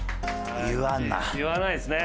言わないですね。